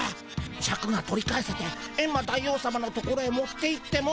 シャクが取り返せてエンマ大王さまの所へ持っていっても。